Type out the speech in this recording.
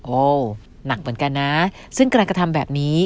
หนักเหมือนกันนะซึ่งการกระทำแบบนี้